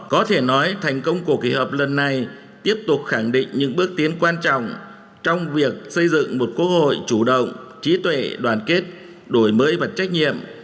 có thể nói thành công của kỳ họp lần này tiếp tục khẳng định những bước tiến quan trọng trong việc xây dựng một quốc hội chủ động trí tuệ đoàn kết đổi mới và trách nhiệm